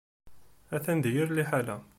Atan di yir liḥala.